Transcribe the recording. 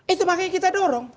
itu makanya kita dorong